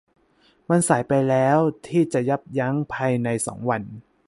มันสายไปแล้วที่จะยับยั้งภายในสองวัน